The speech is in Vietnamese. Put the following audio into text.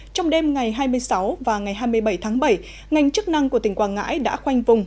trong đêm ngày hai mươi sáu và ngày hai mươi bảy tháng bảy ngành chức năng của tỉnh quảng ngãi đã khoanh vùng